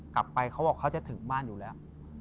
เขาบอกเขาจะถึงบ้านอยู่แล้ว